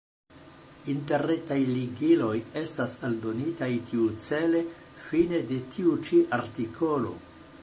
Interretaj ligiloj estas aldonitaj tiucele fine de tiu ĉi artikolo.